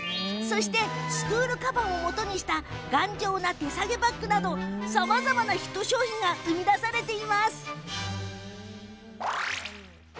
スクールかばんをもとにした頑丈な手提げバッグなどさまざまなヒット商品が生み出されています。